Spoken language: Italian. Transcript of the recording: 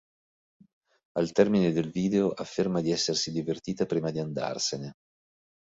Al termine del video, afferma di essersi divertita prima di andarsene.